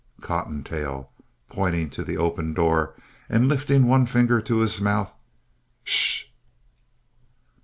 COTTONTAIL (pointing to the open door, and lifting one finger to his mouth) Shush!